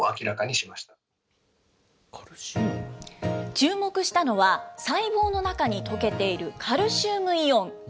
注目したのは、細胞の中に溶けているカルシウムイオン。